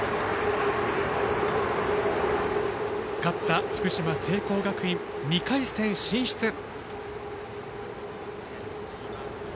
勝った福島・聖光学院２回戦進出。